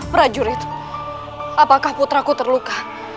prajurit apakah putra ku terluka